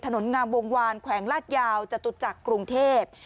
ถนนงามวงวานแขวงลาดยาวจตุจักรกรุงเทพ